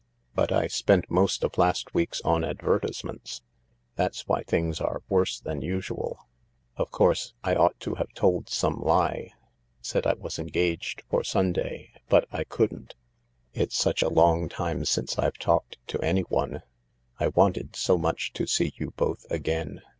But I spent most of last week's on advertisements — that's why things are worse than usual. Of course I ought to have told some lie — said I was engaged for Sunday — but I couldn't. It's such a long time since I've talked to anyone. I wanted so much to see you both again.